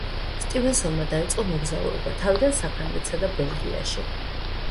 სტივენსონმა დაიწყო მოგზაურობა, თავიდან საფრანგეთსა და ბელგიაში.